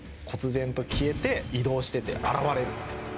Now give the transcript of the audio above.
こつ然と消えて、移動して現れる。